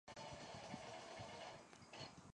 学校还拥有一支足球强队。